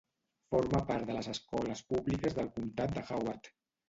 Forma part de les escoles públiques del comptat de Howard.